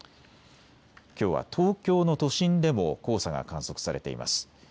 きょうは東京の都心でも黄砂が観測されています。